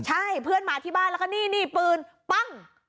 ใช่เพื่อนมาที่บ้านแล้วก็นี่นี่ปืนปั้ง